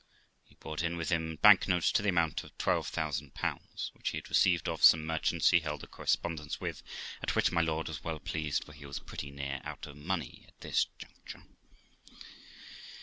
He brought in with him bank notes to the amount of 12,000, which he had received of some merchants he held a correspondence with; at which my lord was well pleased, for he was pretty near out of money at this juncture.